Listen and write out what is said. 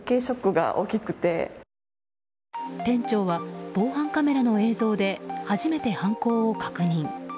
店長は防犯カメラの映像で初めて犯行を確認。